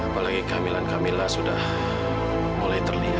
apalagi camilan kamila sudah mulai terlihat